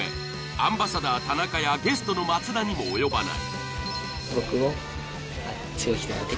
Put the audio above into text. アンバサダー田中やゲストの松田にも及ばない。